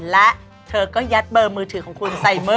และเธอก็ยัดเบอร์มือถือของคุณไซเมอร์